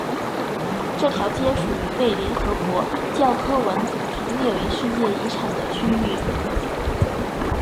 这条街属于被联合国教科文组织列为世界遗产的区域。